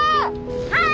はい！